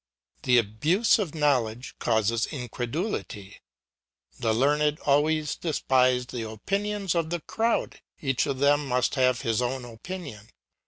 The abuse of knowledge causes incredulity. The learned always despise the opinions of the crowd; each of them must have his own opinion.